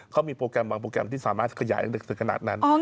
เขามีโปรแกรมบางโปรแกรมที่สามารถขยายถึงขนาดนั้น